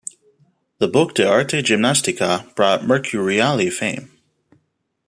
The book "De Arte Gymnastica" brought Mercuriale fame.